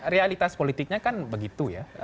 realitas politiknya kan begitu ya